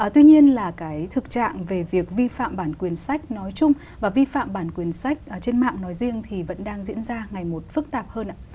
tuy nhiên là cái thực trạng về việc vi phạm bản quyền sách nói chung và vi phạm bản quyền sách trên mạng nói riêng thì vẫn đang diễn ra ngày một phức tạp hơn ạ